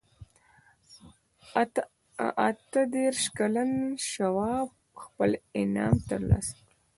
اته دېرش کلن شواب خپل انعام ترلاسه کړ.